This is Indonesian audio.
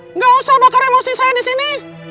nggak usah bakar emosi saya di sini